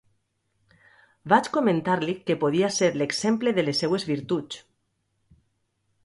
Vaig comentar-li que podia ser l’exemple de les seues virtuts.